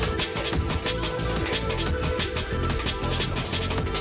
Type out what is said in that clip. อุตส่าห์รอฟัง